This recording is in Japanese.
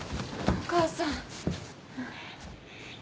お母さん。